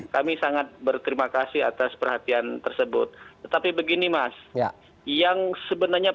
kami sangat berterima kasih atas perhatian tersebut tetapi begini mas yang sebenarnya